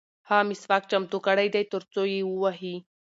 هغه مسواک چمتو کړی دی ترڅو یې ووهي.